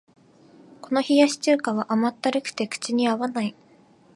この冷やし中華は甘ったるくて口に合わない